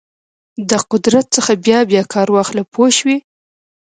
د قدرت څخه بیا بیا کار واخله پوه شوې!.